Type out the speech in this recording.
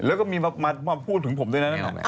แล้วก็มีแบบมาพูดถึงผมด้วยนะครับ